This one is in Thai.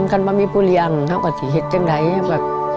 กันบ้างมีผู้เลี้ยงเท่ากับที่เห็นเท่าไหร่